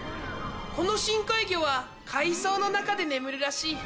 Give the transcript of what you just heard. この深海魚は海藻の中で眠るらしい。